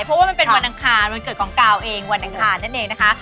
เพราะว่ามันเป็นวันอังคารวันเกิดของกาวเองวันอังคารนั่นเองนะคะ